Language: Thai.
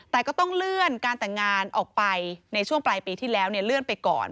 แต่ก็ต้องเลื่อนการแต่งงานออกไปในช่วงปลายปีที่แล้วเลื่อนไปก่อน